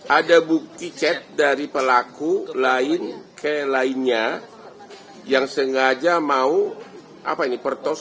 ada bukti chat dari pelaku lain ke lainnya yang sengaja mau apa ini pertos